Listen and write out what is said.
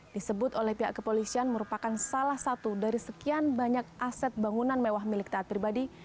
disebut oleh pihak kepolisian merupakan salah satu dari sekian banyak aset bangunan mewah milik taat pribadi